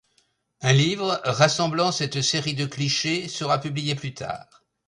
Un livre rassemblant cette série de clichés sera publié plus tard.